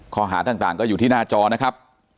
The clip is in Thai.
ข้อหาต่างก็อยู่ที่หน้าจอนะครับ